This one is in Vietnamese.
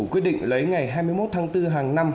quyết định lấy ngày hai mươi một tháng bốn hàng năm